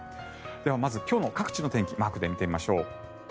では、まず今日の各地の天気マークで見てみましょう。